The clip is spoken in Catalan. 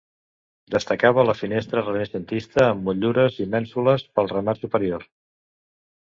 Destacava la finestra renaixentista amb motllures i mènsules pel remat superior.